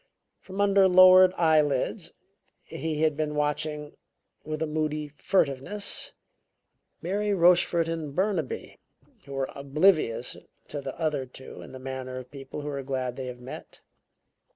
From under lowered eyelids he had been watching, with a moody furtiveness, Mary Rochefort and Burnaby, who were oblivious to the other two in the manner of people who are glad they have met.